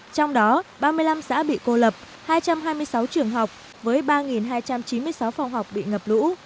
trong đó ba mươi năm xã bị cô lập hai trăm hai mươi sáu trường học với ba hai trăm chín mươi sáu phòng học bị ngập lũ